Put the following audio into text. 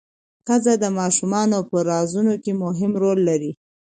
ښځه د ماشومانو په روزنه کې مهم رول لري